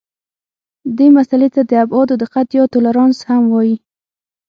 دې مسئلې ته د ابعادو دقت یا تولرانس هم وایي.